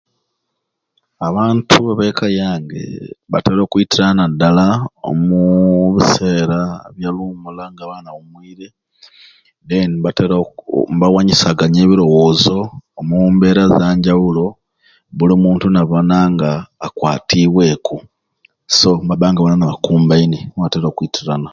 Abantu bekka yange batera okwitirana nadala omuu bisera bya luwumula nga abaana bawumwire then nibatera mbawanyisiganya ebirowoozo omu mbeera ezanjawulo buli muntu nabona nga akwatibweku so nibaba nga bona bona bakumbaine nimwo batera okwitirana